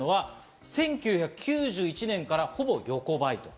１９９１年からほぼ横ばい。